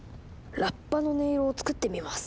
ラッパの音色を作ってみます。